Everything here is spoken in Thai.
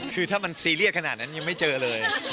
คือถ้ามันซีเรียสขนาดนั้นยังไม่เจอเลย